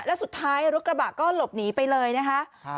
แล้วสุดท้ายรถกระบะก็หลบหนีไปเลยนะคะ